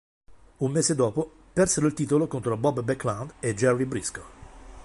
Un mese dopo, persero il titolo contro Bob Backlund e Jerry Brisco.